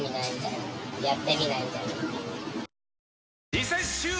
リセッシュー！